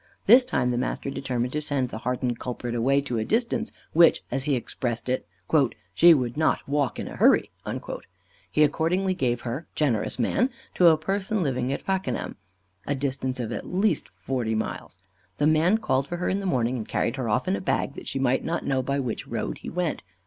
This time the master determined to send the hardened culprit away to a distance, which, as he expressed it, "she would not walk in a hurry." He accordingly gave her (generous man) to a person living at Fakenham, distant at least forty miles. The man called for her in the morning, and carried her off in a bag, that she might not know by what road he went.